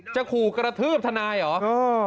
ขู่กระทืบทนายเหรอ